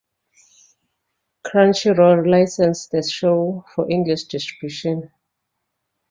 Crunchyroll licensed the show for English distribution.